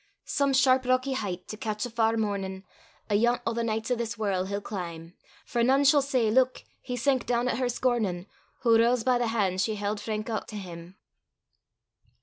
Some sharp rocky heicht, to catch a far mornin' Ayont a' the nichts o' this warl', he'll clim'; For nane shall say, Luik! he sank doon at her scornin', Wha rase by the han' she hield frank oot to him.